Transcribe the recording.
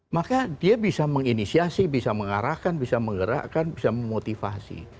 maka dia bisa menginisiasi bisa mengarahkan bisa menggerakkan bisa memotivasi